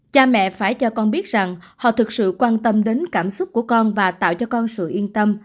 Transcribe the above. cha mẹ phải cho con biết rằng họ thực sự quan tâm đến cảm xúc của con và tạo cho con sự yên tâm